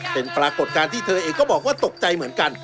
เป็นปรากฏการณ์ที่เธอเองก็บอกว่าตกใจเหมือนกัน